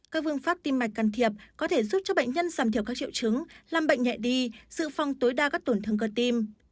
các phương pháp tim mạch can thiệp có thể giúp cho bệnh nhân giảm thiểu các triệu chứng làm bệnh nhẹ đi dự phòng tối đa các tổn thương cơ tim